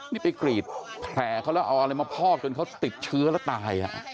นี่ไปกรีดแผลเขาแล้วเอาอะไรมาพอกจนเขาติดเชื้อแล้วตาย